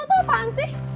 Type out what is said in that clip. lo tau apaan sih